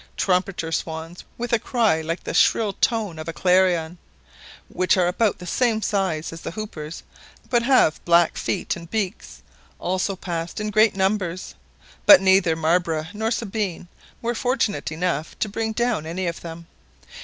Trumpeter swans, with a cry like the shrill tone of a clarion, which are about the same size as the hoopers, but have black feet and beaks, also passed in great numbers, but neither Marbre nor Sabine were fortunate enough to bring down any of them.